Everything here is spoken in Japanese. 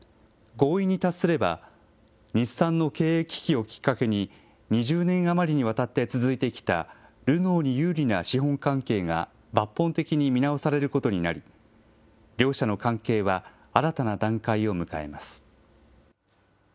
合意に達すれば、日産の経営危機をきっかけに２０年余りにわたって続いてきたルノーに有利な資本関係が抜本的に見直されることになり、両社の関係は、新たな段階を迎えます。